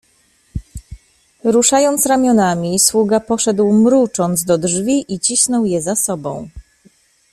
"Ruszając ramionami, sługa poszedł mrucząc do drzwi i cisnął je za sobą."